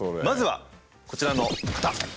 まずはこちらの方。